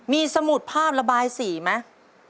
มีสมุดภาพระบายสีไหม